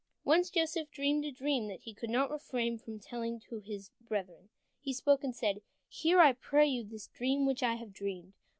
Once Joseph dreamed a dream, and he could not refrain from telling it to his brethren. He spoke, and said: "Hear, I pray you, this dream which I have dreamed.